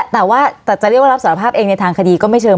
แต่ว่าจะเรียกว่ารับสารภาพเองในทางคดีก็ไม่เชิง